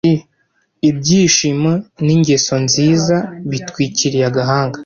ibyishimo n'ingeso nziza bitwikiriye agahanga